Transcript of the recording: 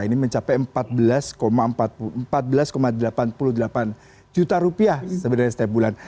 ini mencapai empat belas delapan puluh delapan juta rupiah sebenarnya setiap bulan